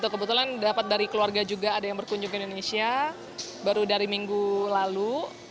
kebetulan dapat dari keluarga juga ada yang berkunjung ke indonesia baru dari minggu lalu